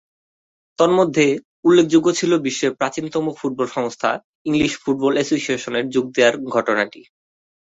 তন্মধ্যে উল্লেখযোগ্য ছিল বিশ্বের প্রাচীনতম ফুটবল সংস্থা ইংলিশ ফুটবল এসোসিয়েশনের যোগ দেয়ার ঘটনাটি।